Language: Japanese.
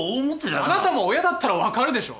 あなたも親だったら分かるでしょ。